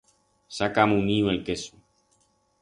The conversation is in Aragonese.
S'ha camuniu el queso.